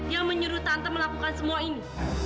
yang menyuruh tante melakukan semua ini